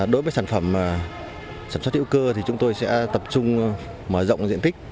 đối với sản phẩm sản xuất hữu cơ thì chúng tôi sẽ tập trung mở rộng diện tích